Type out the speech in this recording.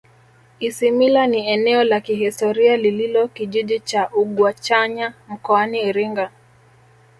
isimila ni eneo la kihistoria lililo kijiji cha ugwachanya mkoani iringa